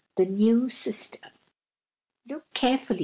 THE NEW SISTER. "LOOK carefully!"